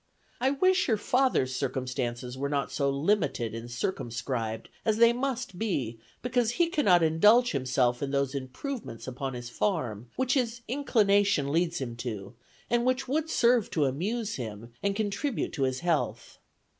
I wish your father's circumstances were not so limited and circumscribed, as they must be, because he cannot indulge himself in those improvements upon his farm, which his inclination leads him to, and which would serve to amuse him, and contribute to his health.